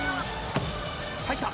入った。